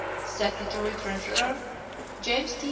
Secretary treasurer. James T.